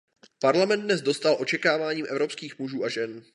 Parlament dnes dostál očekáváním evropských mužů a žen.